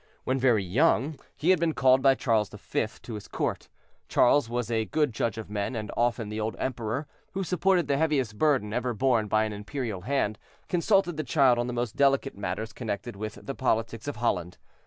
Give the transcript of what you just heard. When very young he had been called by Charles V. to his court. Charles was a good judge of men, and often the old emperor, who supported the heaviest burden ever borne by an imperial hand, consulted the child on the most delicate matters connected with the politics of Holland.